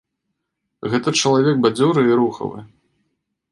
Гэта чалавек бадзёры і рухавы.